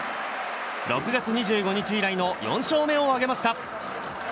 ６月２５日以来の４勝目を挙げました。